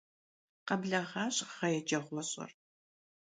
Къэблэгъащ гъэ еджэгъуэщIэр.